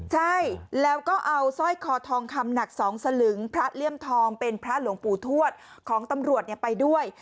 ใช่แล้วก็เอาสร้อยคอทองคำหนัก๒สลึงพระเลี่ยมทองเป็นพระหลวงปู่ทวดของตำรวจไปด้วย